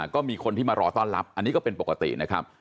ก็มีคนที่มารอต้อนรับอันนี้ก็เป็นปกตินะครับ